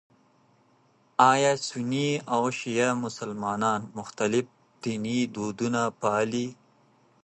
ایا سني او شیعه مسلمانان مختلف ديني دودونه پالي؟